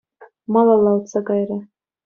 Малалла утса кайрӗ.